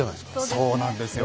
そうなんですよ。